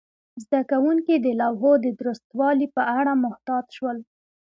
زده کوونکي د لوحو د درستوالي په اړه محتاط شول.